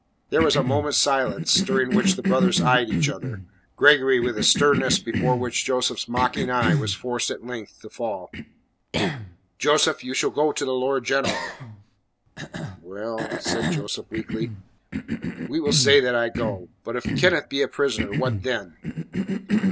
There was a moment's silence, during which the brothers eyed each other, Gregory with a sternness before which Joseph's mocking eye was forced at length to fall. "Joseph, you shall go to the Lord General." "Well," said Joseph weakly, "we will say that I go. But if Kenneth be a prisoner, what then?"